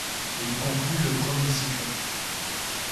Il conclut le premier cycle.